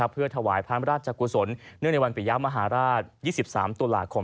เพื่อถวายพระราชกุศลเนื่องในวันปิยะมหาราช๒๓ตุลาคม